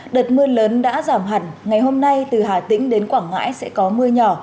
đợt mưa lớn đã giảm hẳn ngày hôm nay từ hà tĩnh đến quảng ngãi sẽ có mưa nhỏ